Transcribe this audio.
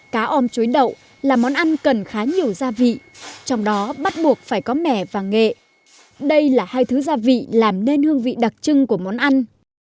cá ôm chuối đậu là món ăn cần khá nhiều gia vị trong đó bắt buộc phải có mẻ và nghệ đây là hai thứ gia vị làm nên hương vị đặc trưng của món ăn